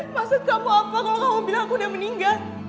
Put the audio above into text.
masa kamu apa kalau kamu bilang aku udah meninggal